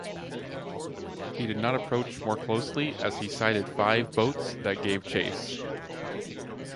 He did not approach more closely as he sighted five boats that gave chase.